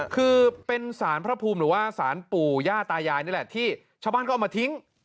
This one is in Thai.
คือเป็นสารพระภูมิหรือว่าสารปู่ย่าตายายนี่แหละที่ชาวบ้านก็เอามาทิ้ง